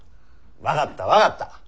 分かった分かった。